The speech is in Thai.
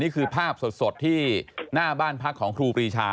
นี่คือภาพสดที่หน้าบ้านพักของครูปรีชา